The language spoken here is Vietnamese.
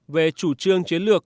về chủ trương chiến lược